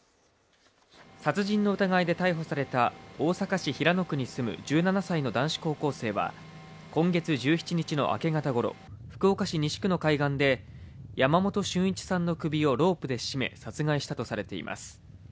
殺人の疑いで逮捕された大阪市平野区に住む１７歳の男子高校生は今月１７日の明け方ごろ福岡市西区の海岸で山本駿一さんの首をロープで絞め、殺害したとされています。